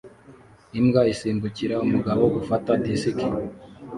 Imbwa isimbukira umugabo gufata disiki